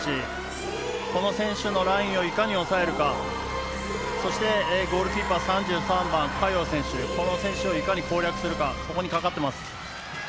この選手のラインをいかに抑えるか、そしてゴールキーパー３３番、嘉鷹選手をいかに攻略するかにかかっています。